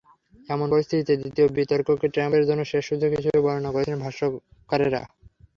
এমন পরিস্থিতিতে দ্বিতীয় বিতর্ককে ট্রাম্পের জন্য শেষ সুযোগ হিসেবে বর্ণনা করেছিলেন ভাষ্যকারেরা।